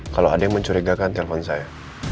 kalau ada yang mencurigakan telpon saya